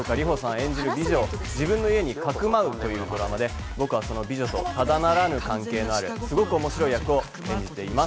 演じる美女を自分の家に匿うというドラマで、僕はその美女とただならぬ関係のあるすごく面白い役を演じています。